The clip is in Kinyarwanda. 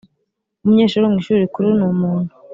Umunyeshuri wo mu ishuri rikuru ni umuntu